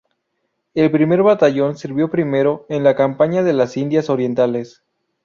El primer batallón sirvió primero en la campaña de las Indias Orientales.